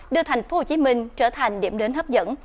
đưa tp hcm trở thành điểm đến hấp dẫn